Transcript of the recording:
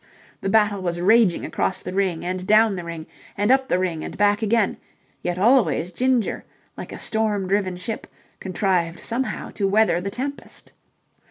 The battle was raging across the ring and down the ring, and up the ring and back again; yet always Ginger, like a storm driven ship, contrived somehow to weather the tempest.